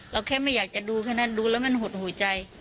แค่ไม่อยากจะดูแค่นั้นดูแล้วมันหดหูใจ